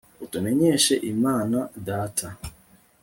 utumenyeshe imana data